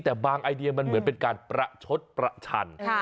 แต่บางไอเดียมันเหมือนเป็นการประชดประชัน